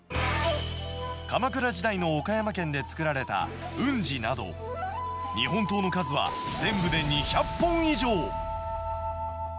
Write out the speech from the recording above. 鎌倉時代の岡山県で作られた雲次など、日本刀の数は全部で２００本以上。